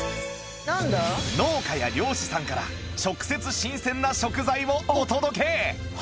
農家や漁師さんから直接新鮮な食材をお届け！